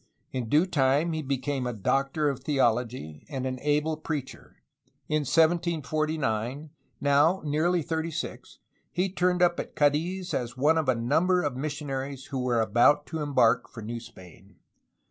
In due time he became a doctor of theology and an able preacher. In 1749, now nearly thirty six, he turned up at Cddiz as one of a number of missionaries who were about to embark for New Spain.